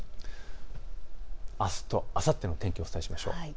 あすとあさっての天気をお伝えしましょう。